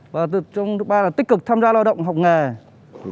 và trong thứ ba là tích cực tham gia lao động học nghề